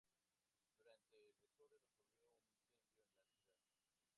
Durante el desorden ocurrió un incendio en la ciudad.